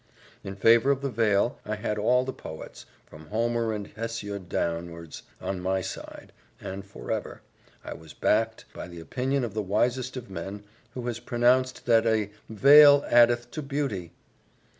In favour of the veil, I had all the poets, from Homer and Hesiod downwards, on my side; and moreover, I was backed by the opinion of the wisest of men, who has pronounced that "_a veil addeth to beauty.